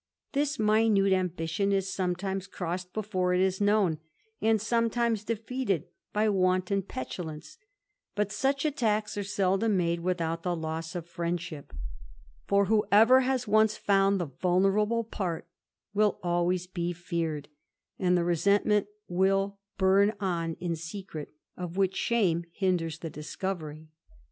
This minute )n is sometimes crossed before it is known, and some iefeated by wanton petulance : but such attacks are made without the loss of friendship ; for, whoever 288 THE IDLER, has once found the vulnerable part will always be feared, and the resentment will burn on in secret, of which, shkme hinders the discovery.